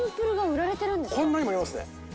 こんなにもありますね。